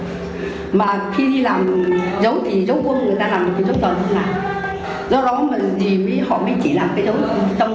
do đó mà dì bích họ mới chỉ làm cái dấu trong bệnh viện là ở giữa thôi quân thì làm được thỏ nó làm được thì bích bắt buộc phải nhờ dấu quân làm cái này